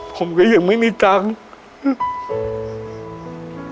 ผมก็ยังไม่มีเงิน